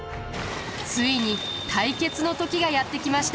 ついに対決の時がやって来ました。